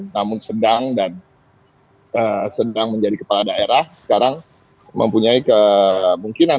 namun sedang dan sedang menjadi kepala daerah sekarang mempunyai kemungkinan